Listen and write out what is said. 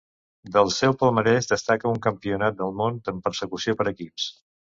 Del seu palmarès destaca un Campionat del món en persecució per equips.